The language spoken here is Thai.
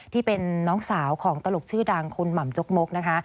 ที่เป็นน้องสาวของตลกชื่อดังคุณหม่ำจกมกนะคะ